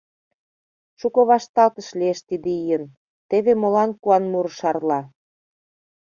Шуко вашталтыш лиеш тиде ийын Теве молан куан муро шарла.